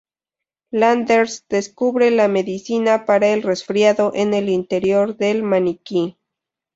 Landers descubre la medicina para el resfriado en el interior del maniquí.